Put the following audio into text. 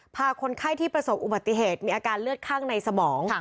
คนไข้ที่ประสบอุบัติเหตุมีอาการเลือดข้างในสมอง